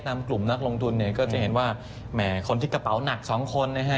กลุ่มนักลงทุนเนี่ยก็จะเห็นว่าแหมคนที่กระเป๋าหนักสองคนนะฮะ